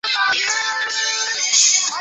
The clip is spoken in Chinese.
首次登场于探险活宝。